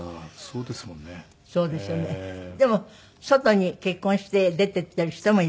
でも外に結婚して出ていってる人もいるの？